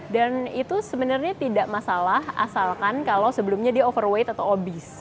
itu sebenarnya tidak masalah asalkan kalau sebelumnya dia overweight atau obis